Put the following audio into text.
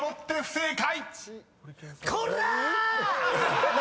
［正解］